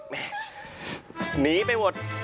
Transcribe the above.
แม่หนีไปหมด